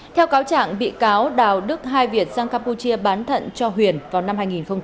theo cáo trạng bị cáo đào đức hai việt sang campuchia bán thận cho huyền vào năm hai nghìn một mươi